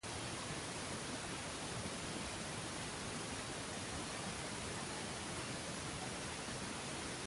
Y levantándose el pontífice, le dijo: ¿No respondes nada? ¿qué testifican éstos contra ti?